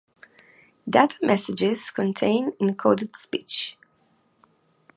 Data messages contained encoded speech.